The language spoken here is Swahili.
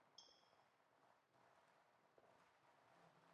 wakati makabila ya Uturuki ya ufugaji wa ngombe